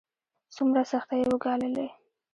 څومره سختۍ يې وګاللې.